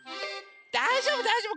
だいじょうぶだいじょうぶ